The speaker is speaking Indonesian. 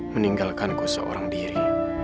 meninggalkanku seorang diri